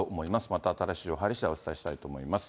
また新しい情報が入りしだい、お伝えしたいと思います。